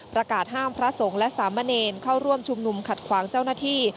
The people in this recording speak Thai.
ประกาศห้ามพระสงฆ์และสามเณรเข้าร่วมชุมนุมขัดขวางเจ้าหน้าที่